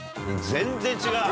全然違う。